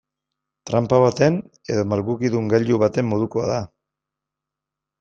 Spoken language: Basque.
Tranpa baten edo malgukidun gailu baten modukoa da.